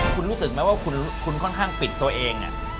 คุณรู้สึกไหมว่าคุณค่อนข้างปิดตัวเอง